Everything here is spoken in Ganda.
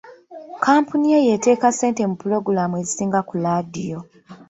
Kkampuni ye y'eteeka ssente mu pulogulamu ezisinga ku laadiyo.